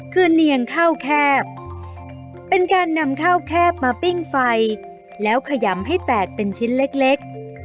คือเนียงข้าวแคบเป็นการนำข้าวแคบมาปิ้งไฟแล้วขยำให้แตกเป็นชิ้นเล็ก